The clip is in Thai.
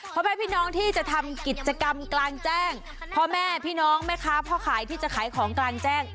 พ่อแม่พี่น้องที่จะทำกิจกรรมกลางแจ้งพ่อแม่พี่น้องแม่ค้าพ่อขายที่จะขายของกลางแจ้ง